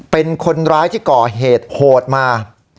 เป็นคนร้ายที่ก่อเหตุโหดมา